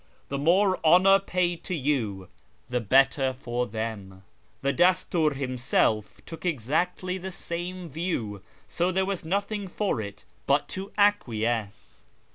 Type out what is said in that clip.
The more honour paid to you, the better for them." The Dastur himself took exactly the same view, so there was nothing for it but to acquiesce.